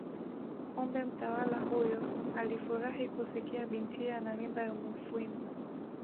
Kumbe mtawala huyo alifurahi kusikia bintiye ana mimba ya Mufwimi